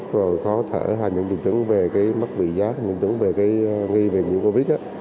khó khăn khó thở những dịch vụ về mắc bị giác dịch vụ về nghi về nhiễm covid